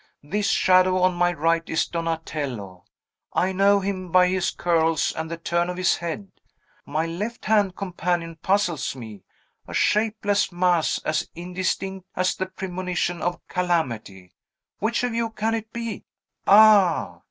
This shadow on my right is Donatello; I know him by his curls, and the turn of his head. My left hand companion puzzles me; a shapeless mass, as indistinct as the premonition of calamity! Which of you can it be? Ah!"